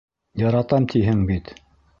— Яратам, тиһең бит.